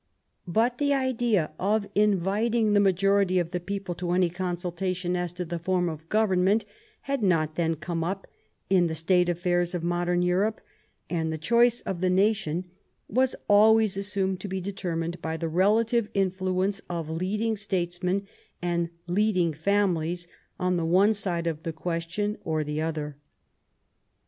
But the idea of inviting the majority of the people to any consultation as to the form of government had not then come up in the state affairs of modern Europe, and the choice of the nation was always assumed to be determined by the relative influence of leading states men and leading families on the one side of the ques tion or on the other.